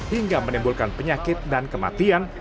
hingga menimbulkan penyakit dan kematian